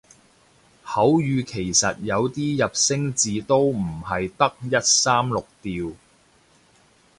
口語其實有啲入聲字都唔係得一三六調